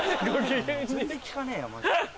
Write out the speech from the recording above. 全然聞かねえやマジ。